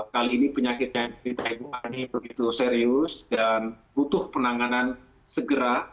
kali ini penyakitnya ibu ani begitu serius dan butuh penanganan segera